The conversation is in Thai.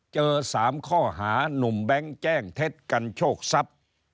เจอ๓ข้อหานุ่มแบงค์แจ้งเท็จกันโชคทรัพย์